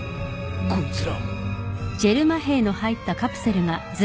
こいつら